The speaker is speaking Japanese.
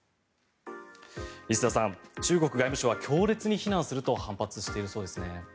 石澤さん、中国外務省は強烈に非難すると反発しているようですね。